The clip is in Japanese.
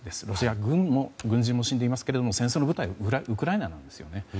ロシアの軍人も死んでいますけれども戦争の舞台はウクライナなんですよね。